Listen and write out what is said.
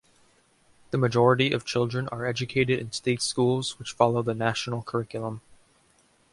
The majority of children are educated in state schools which follow the National Curriculum.